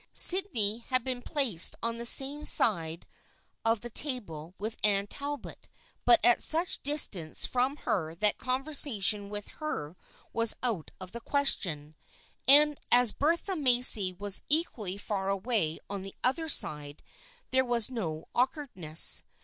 Sydney had been placed on THE FRIENDSHIP OF ANNE 157 the same side of the table with Anne Talbot but at such a distance from her that conversation with her was out of the question, and as Bertha Macy was equally far away on the other side there was no awkwardness.